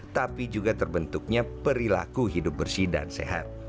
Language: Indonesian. tapi juga terbentuknya perilaku hidup bersih dan sehat